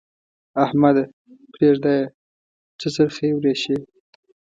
احمده! پرېږده يې؛ څه څرخی ورېشې.